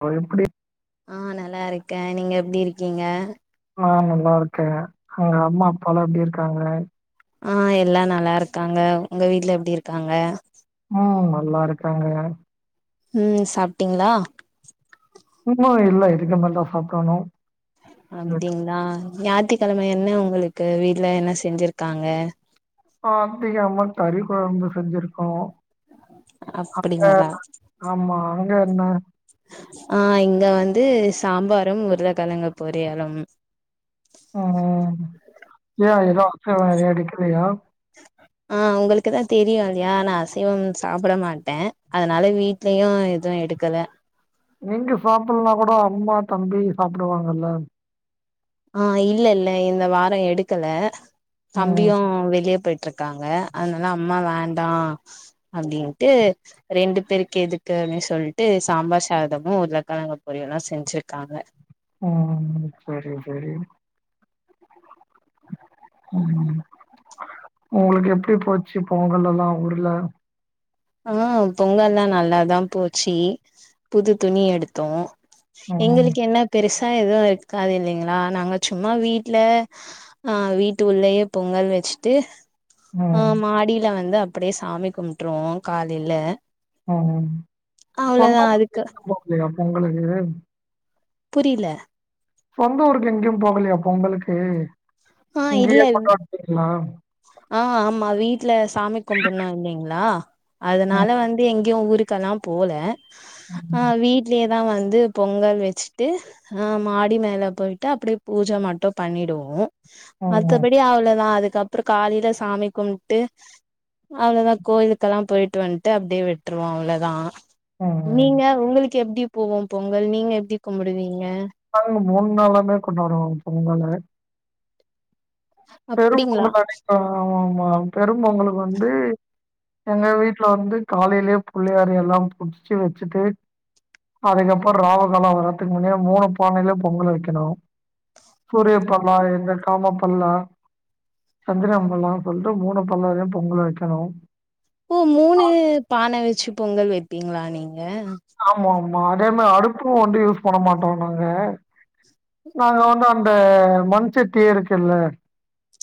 அவ எப்புடி ஆஹ நல்லா இருக்கே நீங்க எப்டி இருக்கீங்க ஆஹ் நல்லா இருக்கே அங்க அம்மா அப்பாலா எப்டி இருக்காங்க ஆஹ் எல்லா நல்லா இருக்காங்க உங்க வீட்ல எப்டி இருக்காங்க உம் நல்லா இருக்காங்க உம் சாப்பிட்டீங்ள உமோ இல்ல இதுக்கு மேல்தா சாப்டோணு அப்டிங்களா ஞாத்திக்கிழம என்ன உங்களுக்கு வீட்ல என்ன செஞ்சிருக்காங்க ஆ அம்பிகை அம்மன் கறி கொழம்பு செஞ்சிருக்கோ அப்ப அப்டிங்களா ஆமா சேரிண்ண ஆ இங்க வந்து சாம்பாரும் உருளக்கழங்கு பொரியலும் ம் ஏ எதோ அசைவோ எதோ எடுக்கில்லையா ஆ உங்குளுக்குதா தெரியு இல்லேயா நா அசைவம் சாப்பட மாட்டே அதனால வீட்லயு எதுவு எடுக்கல நீங்க சாப்பில்னா கூட அம்மா தம்பி சாப்புடுவாங்கல்லே ஆ இல்ல இல்ல இந்த வாரோ எடுக்கலா ம். தம்பியு வெளியே போயிட் டிருக்காங்க அதுனால அம்மா வேண்டா அப்டின்ட்டு ரெண்டு பேருக்கெதுக்கு அப்டின் சொல்ட்டு சாம்பார் சாதமு உர்ளக்கெழங்க பொரியல்லா செஞ்சிருக்காங்க ம் செரி செரி ம் உங்குளுக்கு எப்டி போச்சு பொங்கல் எல்லா ஊர்ல ஆ பொங்கல்லா நல்லாதா போச்சி புது துணி எடுத்தோ ம். எங்கெளுக் கென்னா பெருஸ் தா எதுவு இருக்காது இல்லிங்ளா நாங்க சும்மா வீட்ல அ வீட்டு உள்ளயே பொங்கல் வச்சுட்டு ஆ ம். மாடில வந்து அ ப்படியே சாமி கும்ட்டுருவோ காலில ஆ சொந்த அதுக்கு [inaudible] போக்லியா பொங்களுக்கு புரிலே சொந்த ஊருக் கெங்யு போகலியா பொங்களுக்கு ஆ இங்கியே இல்ல கொண்டாட போறீங்ளா ஆ ஆமா வீட்ல சாமி கும்புண்ணோ இல்லிங்ளா ம், அதனால வந்து எங்க இவன் ஊருக்கெல்லாம் போல ம், ஆஹ் வீடலே நான் வந்து பொங்கல் வச்சுட்டு மாடி மேலே போய்ட்டு அப்படியே பூஜை மட்டும் பண்ணிடுவோம் ம், மத்தபடி அவ்ளதான் அதுக்கு அப்புறம் காலையில சாமி கும்பிட்டு அவ்வளோதான் கோயிலுக்கெல்லாம் போயிட்டு வந்துட்டு அப்படியே விட்டுருவோம் அவ்வளோதான் ம், ம். நீங்க உங்களுக்கு எப்படி போவோம் பொங்கல் நீங்க எப்படி கும்பிடுவீங்க நீங்க மூணு நாளுமே கொண்டாடுவோம் பொங்கலு பெரும்ப அப்டிங்ளா ஒண்ணு தணக்க ஆமா [unintelligible] பெரும் பொங்கலுக்கு வந்து எங்க வீட்டுல வந்து காலையிலயே புள்ளையார எல்லாம் புடிச்சு வச்சுட்டு அதுக்கப்புறம் ராவுக்காலம் வர்றதுக்கு முன்னேயே மூணு பானையில பொங்கல் வைக்கணும் புரியப்பல்லா என்ன ஆமா பண்ணலாம் சந்திரம்பல்லாம் சொல்லிட்டு மூணு பல்லாரையும் பொங்கல வைக்கணும் ஓ மூணு பான வெ பச்சு பொங்கல் வெப்பீங்களா நீங் ங்க அதேமே அடுப்பு வந்து யூஸ் பண்ண மாட்டோம் நாங்க [unintelligible] இந்த மண்சட்டி இருக்குல்ல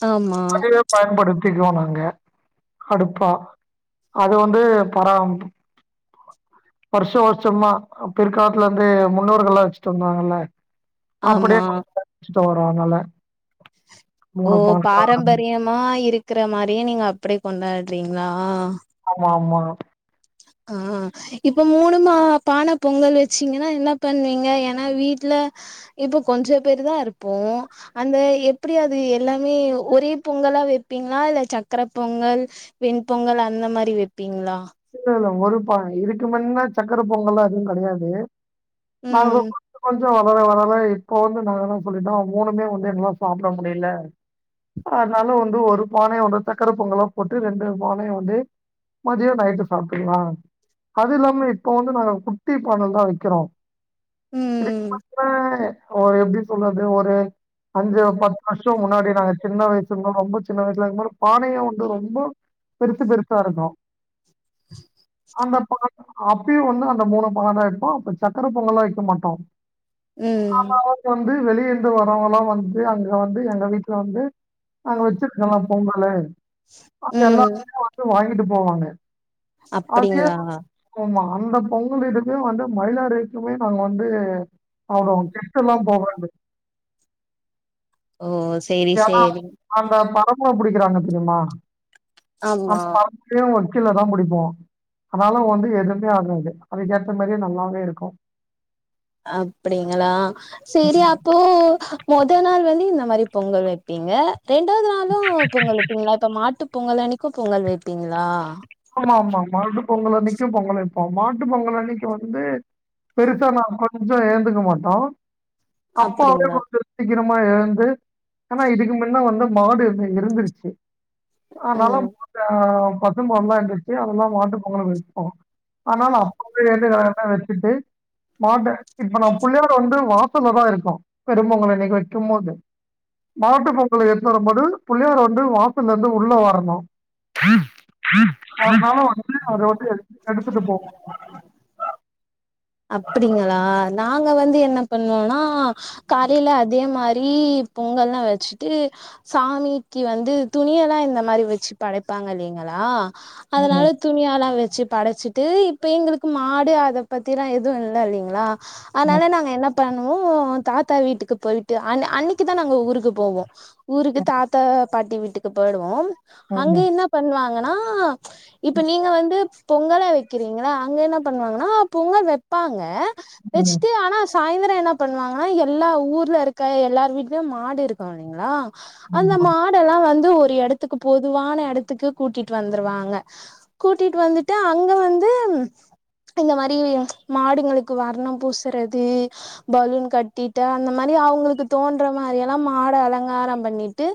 ஆமா சுத்தக்குனாங்க அடுப்பா அது வந்து பரா வருஷம் வருஷமா பிற்காலத்துல இருந்து முன்னோர்கள்லாம் வெச்சுட்டு வந்தாங்கல்ல ஆம்மா தொறனால ஓ பாரம்பரியமா இருக்கிற மாதிரி நீங்க அப்படி கொண்டாடுறீங்களா ஆமா ஆமா அ ஆஹ் இப்ப மூணுமா பான பொங்கல் வெச்சீங்கன்னா என்ன பண்ணுவீங்க ஏன்னா வீட்டுல இப்ப கொஞ்சம் பேரு தான் இருப்போம் அந்த எப்படி அது எல்லாமே ஒரே பொங்கலா வெப்பீங்களா இல்ல சக்கர பொங்கல் வெண்பொங்கல் அந்த மாதிரி வெப்பீங்களா இல்ல, இல்ல. ஒரு பான இதுக்கு முன்னா சக்கர பொங்கல்ல்லாம் எதுவும் கெடையாது நாங்க ம் கொ [inaudible] கொஞ்சம் வளர வளர இப்ப வந்து நா சொல்லிட்டோம் மூணுமே வந்து என்னால சாப்பிட முடியல அதனால வந்து ஒரு பானைய சக்கரை பொங்கல்லாம் போட்டு ரெண்டு பானைய வந்து மதியம் நைட்டு சாப்பிலாம் அது இல்லாம இப்ப வந்து நாங்க குட்டி பானல் தான் வெக்கிறோம். இதுக்கு ம் [unintelligible] ஒரு எப்படி சொல்லறது ஒரு அஞ்சு பத்து வருஷம் முன்னாடி நாங்க சின்ன வயசு ரொம்ப சின்ன வயசுல அது மாதிரி பானையா வந்து ரொம்ப பெருசு பெருசா இருக்கும் அந்த பா [unintelligible] அப்பயும் வந்து அந்த மூணு [unintelligible] தாம் வைப்போம் அப்ப சக்கர பொங்கல்லாம் வைக்க மாட்டோம் உம் அப்ப வந்து வெளியேந்து வரவல்லாம் வந்து அங்க வந்து எங்க வீட்டுல வந்து நாங்க வெச்சிருக்கலாம் பொங்கல் அ எல்லாரு வந்து வாங்கி விட்டு போவாங்க அதே அப்படிங்களா ஆமா. அந்த பொங்கல்துக்கு வந்து மயிலாறைக்குமே நாங்க வந்து அவ்ளோ கிட்ட எல்லாம் போ [unintelligible] ஓ செரி செரிங் இருக்கிறாங்க தெரியுமா [inaudible] கில்ல தா [unintelligible] போவா அதனால வந்து எதுவுமே ஆகாது அதுக்கேற்ற மாரியே நல்லாவே இருக்கு அப்டிங்களா செரி ம். அப்போ மொத நாள் வந்து இந்த மாரி பொங்கல் வப்பீங்க ரெண்டாவது நாளும் பொங்கல் வப்பங்களா இப்ப மாட்டுப் பொங்கல் அன்னிக்கு பொங்கல் வப்பீங்களா ஆமா ஆமா மாட்டு பொங்கல் அன் னைக்கும் பொங்கல் வைப்போம் மாட்டு பொங்கல் அன்னைக்கு வந்து பெருசா நா கொஞ் சோ ஏந்துக்க மாட்டோ அப்பாவே அப்டிங்களா கொஞ்சோ சீக்கிர மா எழந்து ஆனா இதுக் மின்ன வந்து மாடு இருந்து இருந்துருச்சு ஆ ம் நலம் [unintelligible] பசும் பால்லா எ வெச்சு அதெல்லா மாட்டு பொங்கலுக்கு வைப்போ ஆனாலோ அப்பவே [unintelligible] மாட்டே இப்ப நா புள்ளையோட வந்து வா சல்லா தா இருக்கு பெரும் பொங்கலனைக்கு வெக்கும்போது மாட்டு பொங்கலுக்கு எத்னுவர போது புள்ளையார வந்து வாசல்ல இருந்து உள்ள வரணு அதுனால வந்து அத வந்து எடுத்துடு எடுத்துட்டுப் போவோ அப்டிங்களா நாங்க வந்து என்ன பண்வோனா காலைல அதே மாரி பொங்கல்லா வெச்சுட்டு சாமிக்கு வந்து துணியெல்லா இந்த மாரி வெச்சு படைப்பாங்க இல்லிங்களா அதனால ம் துணியாலா வெ சு படச்சிட்டு இப்ப எங்களுக்கு மாடு அத பத் திரா எதுவு இல்லலிங்ளா ம் அனால நாங்க என்னப் பண்ணுவோ தாத்தா வீட்டுக்கு போயிட்டு அன் அன்னிக்கிதா நாங்க ஊருக்கு போவோ ஊருக்கு தாத்தா பாட்டி வீட்டுக்கு போய்டுவோம் அங்க ம் என்னா பண்வாங்க னா இப்ப நீங்க வந்து பொங்கல வெக்கிறீங்கள அங்க என்னா பண்ணுவாங்கன்னா பொங்க வெப்பாங்க ம் வெச்ட்டு ஆனா சாய்ந்தர என்ன பண்ணுவாங்கனா எல்லா ஊர்ல இருக்க எல்லார் வீட்லயு மாடு இருக்கு இல்லைங்ளா அந்த ஆமா மாடெல்லா வந்து து ஒரு எடத்துக்கு பொதுவான எடத்துக்கு கூட்டிட்டு வந்துருவாங்க கூட்டிட்டு வந்துட்டு அங்க வந்து இந்த மாரி டிவிய மாடுங்களுக்கு வர்ணம் பூசறது பலூன் கட்டிட்டு அந்த மாரி அவுங்குளுக்கு தோன்ற மாரி எல்லா மாட அலங்காரம் பண்ணிட்டு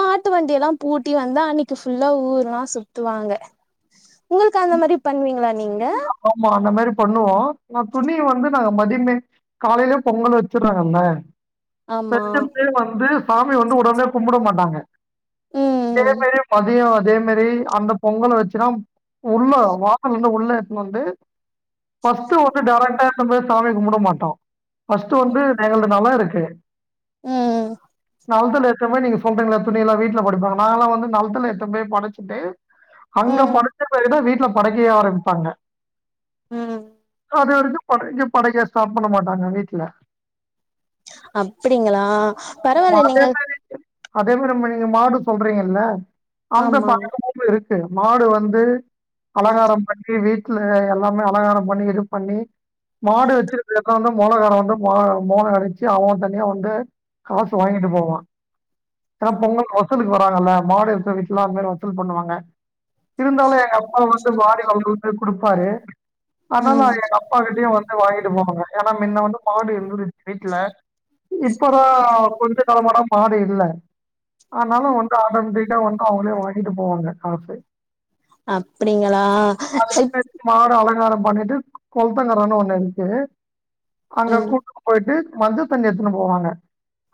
மாட்டு வண்டி எல்லா பூட்டி வந்து அன்னிக்கு ஃபுல்லா ஊர்லா சுத்துவாங்க உங்குளுக்கு அந்த மாரி பண்ணுவீங்ளா அம்மம்மா அந்த மாரி பண்ணுவோ நா துணி வந்து நாங்க மதியமே காலைலேயே பொங்கல் வச்சுர்றங்கல்ல ஆமா வெச்சப்பயே வந்து சாமி வந்து உடனே கும்புட மாட்டாங்க இதே ம் மேரி மதியோ இதே மேரி அந்த பொங்கல் வச்சுதா உள்ள வா [unintelligible] உள்ள நொண்டு ஃபர்ஸ்ட் வந்து டைரக்டா நம்ப சாமி கும்புட மாட்டோம் ஃபஸ்ட் வந்து எங்குளுது நெல இருக்கு ம் நெலதுல ஏத்த மாரி நீங்க சொல்றீங்களா துணி எல்லா வீட்டுல படைப்பாங்க நாங்கள்ளா வந்து நெலத்துல எடுத்து போய் படச்சுட்டு அங்க ம் படச்ச பிறகு தா வீட் படைக்கையே ஆரம்மிப்பாங்க ம் அது வரைக்கும் படைக்க படைக்க ஸ்டாப் பண்ண மாட்டாங்க வீட்டுல அப்டிங்களா நம்ம பரவால்ல நீங்க அதே அதே மாரி இப்ப நீங்க மாடு சொல்றீங்கல்ல அங்க ஆமா படைக்கும் போது க்கு மாடு வந்து பலகாரம் பண்ணி வீட் லெ எல்லாமே அலங்காரம் பண்ணி இது பண்ணி மாடு வச்சிருக்க [unintelligible] மோளகாரன் வந்து மோ மோள அடிச்சு அவங்க தனியா வந்து காசு வாங்கிட்டு போவான் இப்பலா பொங்கல் வசூலுக்கு வ நல்லா மாடு [unintelligible] அது மாரி வசூல் பண்ணுவாங்க இருந்தாலும் எங்க அப்பா வந்து வாரி வழங்கு குடுப்பாரு ஆனா நா ம் எங்க அப்பா கிட்டயும் வந்து வாங்கிட்டு போவே ஏனா மின்ன வந்து மாடு இருந்தது வீட்ல இப்பதா கொஞ்ச காலமா தா மாடு இல்ல ஆனாலும் வந்து ஆட்டாமேட்டிக்கா வந்து அவங்குளே வாங்கிட்டு போவாங்க காசு அப்டிங்களா அதே மாரி மாடு அலங்காரம் பண்ணிட்டு கொலத்தங்கரன்னு ஒண்ணு இருந்துச்சு அங்க ம் கூட்டுட்டு போயிட்டு மஞ்ச தண்ணி எத்துன்னு போவாங்க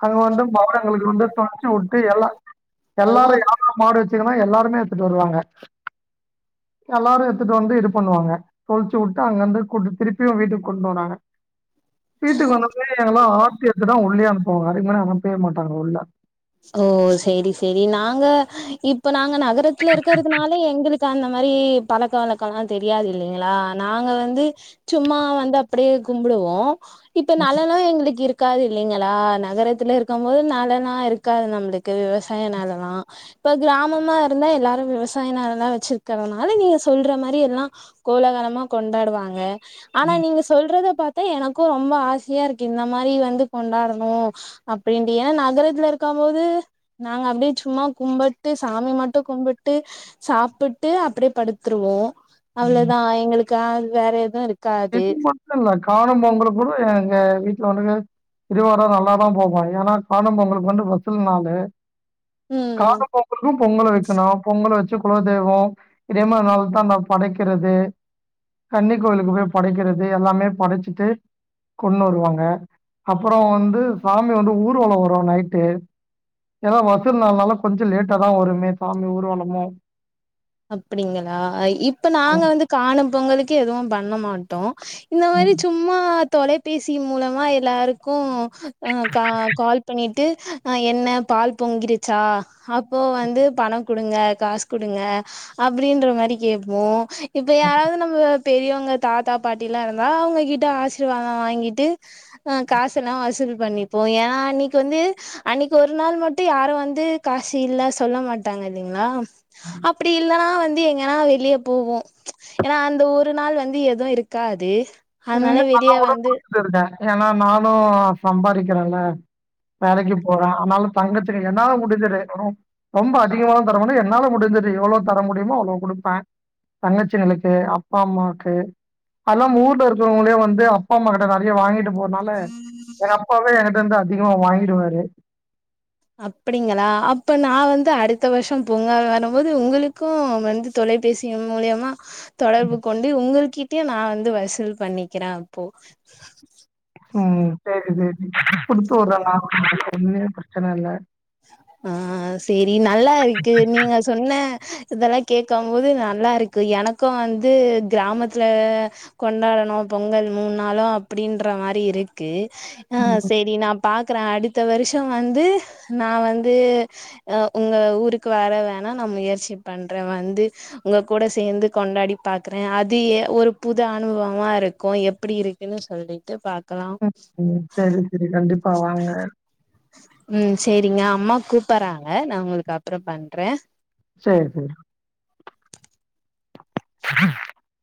அங்க வந்து மாடுகளுக்கு வந்து துணைச்சி விட்டு எல்லா எல்லாரும் யாரல மாடு வச்ச எல்லாருமே எடுத்துட்டு வருவாங்க எல்லாரும் எடுத்துட் டு வந்து இது பண்ணுவாங்க தொளிச்சு விட்டு அங்க வந்து கூட்டு திருப்பியும் வீட்டுக்கு கொண்டு வனாங்க வீட்டுக்கு வந்தமே எங்க எல்லாம் ஆர்த்தி எத்துதா உள்ளேயே அனுப்புவாங்க அதுக்கு முன்ன அனுப்பவே மாட்டாங்க பா உள்ள ஓ சரி சரி நாங்க இப்ப நா நகரத்தில் இருக்கறிறதுனால எங்களுக்கு அக்கா அந்த மாதிரி பழக்க வழழக்கம்லா தெரியாது இல்லைங்களா நாங்க வந்து சும்மா வந்து அப்படியே கும்பிடுவோம் இப்ப நல்லனம் எங்களுக்கு இருக்கு இருக்காது இல்லைங்களா நகரத்துல இருக்கும் போது நாலல்லா இருக்காது நம்மளுக்கு விவசாய நிலம்லாம் இப்ப கிராமமா இருந்தா எல்லாரும் விவசாய நிலம் எல்லா வச்சிருக்கிறதுனால நீங்க சொல்ற மாதிரி எல்லாம் கோலகலமா கொண்டாடுவாங்க ஆனா நீங்க சொல்றது பார்த்தா எனக்கும் ரொம்ப ஆசையா இருக்கு இந்த மாதிரி வந்து கொண்டாடணும் அப்படின்னு ஏன்னா நகரத்துல இருக்க போது நாங்க அப்படியே சும்மா கும்பிட்டு சாமி மட்டும் கும்பிட்டு சாப்பிட்டு அப்படியே படுத்துருவோம் ம். அவ்வளோதா எங்களுக்கு கா வேற எதுவும் இருக்கு இது மட்டும் இல்ல காணும் பொங்கல் கூட எங்க வீட் வ திருவாரம் நல்லாாதா போவாம் ஏன்னா காணம் பொங்குளுக்கு வந்து பசல் நாளு ம் காண பொங்கலும் பொங்கல வைக்கணும் பொங்கல வச்சு குலதெய்வம் இதே மாரி நால தா நா படைக்கிறது கன்னி கோவிலுக்கு போய் படைக்கிறது எல்லாமே படைச்சிட்டு கொண்டு வருவாங்க அப்புறம் வந்து சாமி வந்து ஊர்வலம் வரும் நைட்டு ஏல்லா வசூல்ந்தள்னால கொஞ்சம் லேட்டா தா வருமே சாமி ஊர்வலமும் அப்படிங்களா இப் இப்ப நாங்க வந்து காணம் பொங்கலுக்கு எதுவும் பண்ண மாட்டோம் இந்த மாதிரி சும்மா தொலைபேசி மூலமா எல்லாருக்கூ அஹ் கா கால் பண்ணிட் விட்டு என்ன பால் பொங்கிருச்சா அப்போ வந்து பணொ கொடுங்க காசு கொடுங்க அப்டின்ற மாரி கேப்போ இப்ப யாராவது நம்ப பெரியவங்க தாத்தா பாட்டில்லா இருந்தா அவங்க கிட்ட ஆசிர்வாத வாங்கிட்டு அஹ் காசு எல்லா வசூல் பண்ணிப்போ ஏன்னா அன்னைக்கு வந்து அன்னைக்கு ஒரு நாள் மட்டு யாரு வந்து காசு இல்ல சொல்ல மாட்டாங்க இல்லைங்களா இப்டி இல்லன்னா வந்து எங்கன்னா வெளியே போவோ ஏன்னா அந்த ஒரு நாள் வந்து எதுவு இருக்காது அதனால இன்னு நல்லா வெளிய கூட வந்து குடுத்துட்டு இருக்க ஏன்னா நானு சம்பாரிக்கிறேன்ல வேலைக்கு போறா ஆனாலு தங்கச்சிக்கு என்னால முடிஞ்சது ரொ ரொம்ப அதிகமாலா தர மாட்ட என்னால முடிஞ்சது எவ்ளோ தர முடியுமோ அவ்ளோ குடுப்பே தங்கச்சிங்களுக்கு அப்பா அம்மாக்கு அதல்லா ஊர்ல எப்பவுமே வந்து அப்பா அம்மா கிட்ட வந்து நெறைய வாங்கிட்டு போனால எங் அப்பாவே ஏன்கிட்டருந்து அதிகமா வாங்கிடுவாரு அப்புடிங்களா அப்ப நா வந்து அடுத்த வருஷோ பூங்கா வரும்போது உங்களுக்கு வந்து தொலைபேசிய மூலியமா தொடர்பு கொண்டு உங்களுக் கிட்டையு நா வந்து வசூல் பண்ணிக்கிறே அப்போ உம் சரி சரி குடுத்து வுட்றே [unintelligible] சொன்னல்ல ஆ செரி நல்லா இருக்கு நீங்க சொன்ன இதெல்லாம் கேட்கம்போது நல்லாருக்கு எனக்கு வந்து கிராமத்துல கொண்டாடணு பொங்கல் மூன்ணாளு அப்டின்ற மாரி இருக்கு அ ம் சேரி நாம் பாக்கறே அடுத்த வருஷம் வந்து நா வந்து உங்க அ அ ஊருக்கு வர வேணா நா முயற்சி பண்றே வந்து உங்க கூட சேர்ந்து கொண்டாடி பாக்குறே அது ஏ ஒரு புது அனுபவமா இருக்கு எப்டி இருக்குன்னு சொல்லிட்டு பாங் ம் ம் செரி செரி கண்டிப்பா வாங்க ம் சேரிங்க அம்மா கூப்புறாங்க நா உங்களுக்கு அப்புறே பண்றே சேரி சேரி [unintelligible]